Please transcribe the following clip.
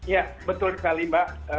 ya betul sekali mbak